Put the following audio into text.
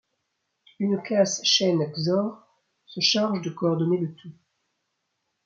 Une classe chaîne_xor se charge de coordonner le tout.